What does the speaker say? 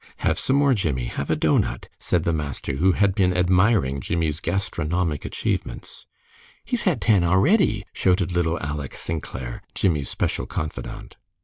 "Have some more, Jimmie. Have a doughnut," said the master, who had been admiring Jimmie's gastronomic achievements. "He's had ten a'ready," shouted little Aleck Sinclair, Jimmie's special confidant.